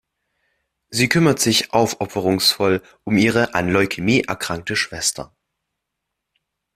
Sie kümmert sich aufopferungsvoll um ihre an Leukämie erkrankte Schwester.